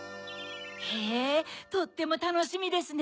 へぇとってもたのしみですね。